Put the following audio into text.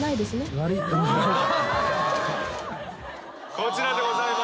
こちらでございます。